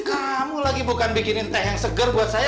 kamu lagi bukan bikinin teh yang seger buat saya